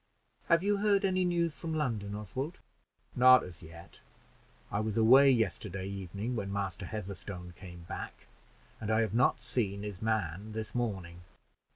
"Have you heard any news from London, Oswald?" "Not as yet. I was away yesterday evening, when Master Heatherstone came back, and I have not seen his man this morning.